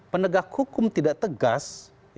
penegak hukum tidak tegas